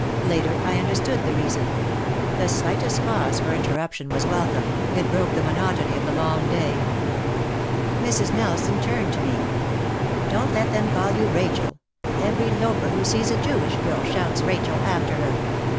Later I understood the reason. The slightest cause for inter ruption was welcome, it broke the monotony of the long day. Mrs. Nelson turned to me : "Don't let them call you Rachel. Every loafer who sees a Jewish girl shouts 'Rachel' after her.